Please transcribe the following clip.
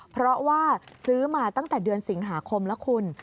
เพราะว่าซื้อมาตั้งแต่เดือนสิงหาคมแล้วคุณ